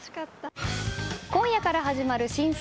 今夜から始まる新水